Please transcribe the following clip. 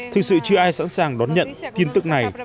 thực sự chưa ai sẵn sàng đón nhận tin tức này